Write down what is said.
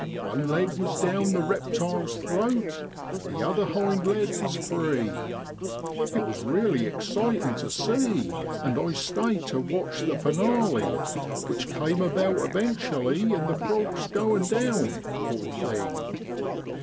One leg was down the reptile's throat, the other hind leg was free. It was really exciting to see ; and I stayed to watch the finale, which came about eventually in the frog's going down, poor thing